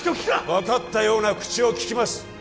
分かったような口をききます